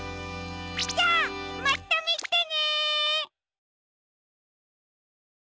じゃあまたみてね！